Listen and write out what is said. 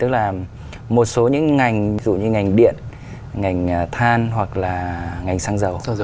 tức là một số những ngành ví dụ như ngành điện ngành than hoặc là ngành xăng dầu